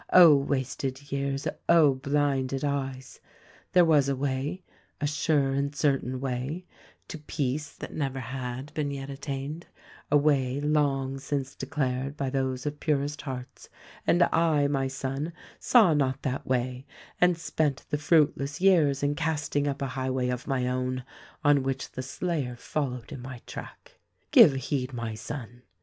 Oh, wasted years, Oh, blinded eyes ! There was a way, a sure and certain way, to Peace that never had been yet attained, a way long since declared by those of purest hearts ; and I, my son, saw not that way and spent the fruitless years in casting up a highway of my own — on which the slayer followed in my track. "Give heed, my son